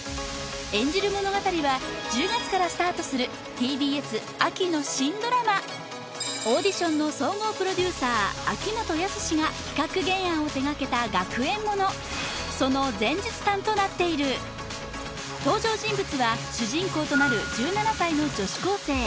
演じる物語は１０月からスタートするＴＢＳ秋の新ドラマオーディションの総合プロデューサー秋元康が企画・原案を手がけた学園ものその前日譚となっている登場人物は主人公となる１７歳の女子高生